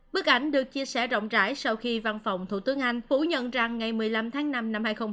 bức ảnh được chia sẻ rộng rãi sau khi văn phòng thủ tướng anh phú nhận rằng ngày một mươi năm tháng năm năm hai nghìn hai mươi